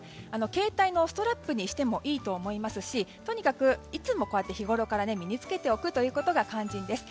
携帯のストラップにしてもいいと思いますしとにかくいつも日ごろから身に付けておくことが肝心です。